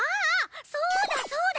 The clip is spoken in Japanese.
そうだそうだ！